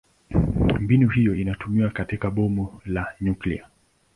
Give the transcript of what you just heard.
Mbinu hiyo inatumiwa katika bomu la nyuklia.